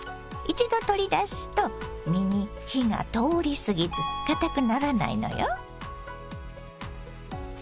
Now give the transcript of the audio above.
一度取り出すと身に火が通り過ぎずかたくならないのよ。